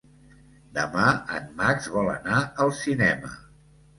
Demà en Max vol anar al cinema.